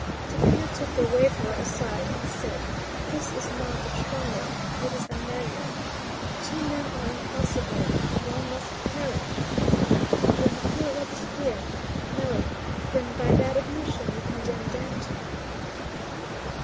Topino took the waverer aside, and said: "This is not a trial, it is a measure. Two men are impossible; one must perish. Will you kill Robespierre? No. Then by that admission you condemn Danton."